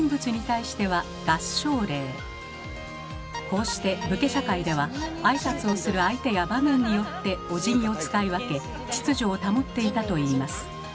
こうして武家社会ではあいさつをする相手や場面によっておじぎを使い分け秩序を保っていたといいます。